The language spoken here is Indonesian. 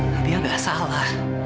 tania gak salah